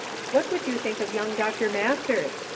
What would you think of young Dr. Masters